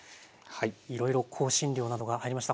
いろいろ香辛料などが入りました。